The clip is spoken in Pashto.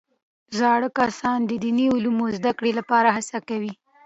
زاړه کسان د دیني علومو زده کړې لپاره هڅې کوي